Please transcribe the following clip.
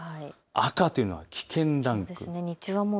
赤というのは危険ランク。